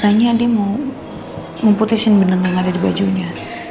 tanya dia mau memputihkan benang yang ada di bajunya